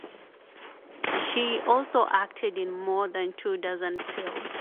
She also acted in more than two dozen films.